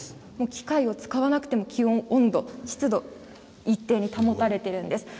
機械を使わなくても温度、湿度が一定に保たれているんです。